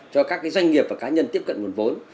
cho các doanh nghiệp và cá nhân tiếp cận nguồn vốn